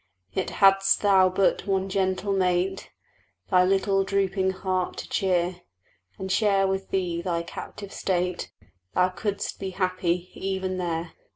Yet, hadst thou but one gentle mate Thy little drooping heart to cheer, And share with thee thy captive state, Thou couldst be happy even there.